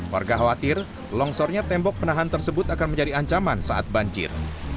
warga khawatir longsornya tembok penahan tersebut akan menjadi ancaman saat banjir